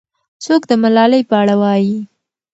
څوک د ملالۍ په اړه وایي؟